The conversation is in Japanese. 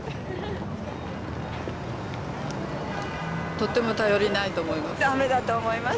とっても頼りないと思います。